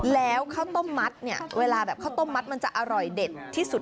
แล้วข้าวต้มมัดเนี่ยเวลาแบบข้าวต้มมัดมันจะอร่อยเด็ดที่สุด